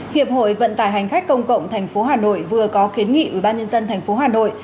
hiệp hội vận tải hành khách công cộng tp hà nội vừa có kiến nghị ubnd tp hà nội